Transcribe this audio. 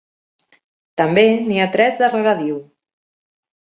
També n'hi ha tres de regadiu.